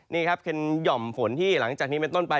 นี่ครับเป็นห่อมฝนที่หลังจากนี้เป็นต้นไป